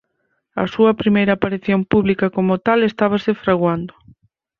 A súa primeira aparición pública como tal estábase fraguando.